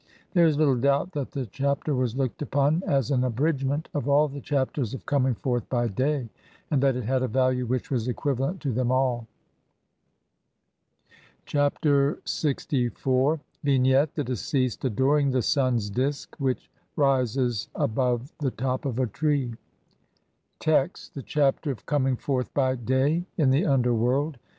There is little doubt that the Chapter was looked upon as an abridgment of all the "Chapters of coming forth by day", and that it had a value which was equivalent to them all. Chapter LXIV. [From the Papyrus of Nehseni (Brit. Mus. No. 9,900, sheets 2 3 and 24).] Vignette : The deceased adoring the sun's disk which rises above the top of a tree. Text : (1) The Chapter of coming forth by day in the UNDERWORLD.